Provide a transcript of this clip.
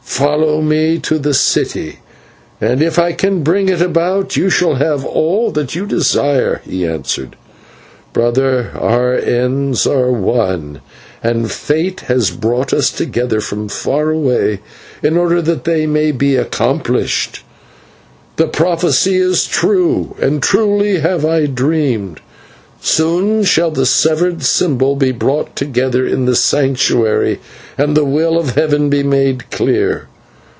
"Follow me to the city, and if I can bring it about you shall have all that you desire," he answered. "Brother, our ends are one, and fate has brought us together from far away, in order that they may be accomplished. The prophecy is true, and truly have I dreamed; soon shall the severed symbol be brought together in the Sanctuary and the will of Heaven be made clear.